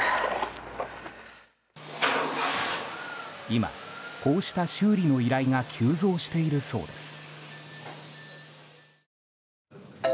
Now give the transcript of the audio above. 今、こうした修理の依頼が急増しているそうです。